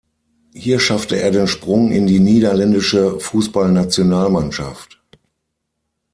Hier schaffte er den Sprung in die niederländische Fußballnationalmannschaft.